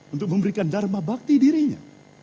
untuk memberikan dharma bakti dirinya